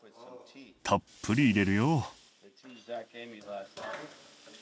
たっぷり入れるよ。